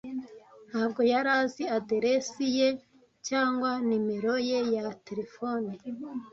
Ntabwo yari azi aderesi ye cyangwa numero ye ya terefone.